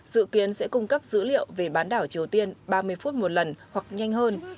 dự kiến sẽ cung cấp dữ liệu về bán đảo triều tiên ba mươi phút một lần hoặc nhanh hơn